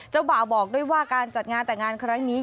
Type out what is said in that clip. บ่าวบอกด้วยว่าการจัดงานแต่งงานครั้งนี้